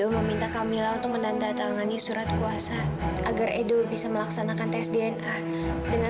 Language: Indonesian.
sampai jumpa di video selanjutnya